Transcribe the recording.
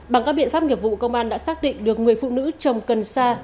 bằng các biện pháp nghiệp vụ công an đã xác định được người phụ nữ trồng cần xa